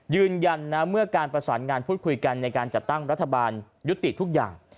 ยืนยันนะเมื่อการประสานงานพูดคุยกันในการจัดตั้งรัฐบาลยุติทุกอย่าง